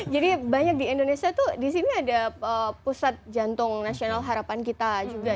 jadi banyak di indonesia tuh di sini ada pusat jantung nasional harapan kita juga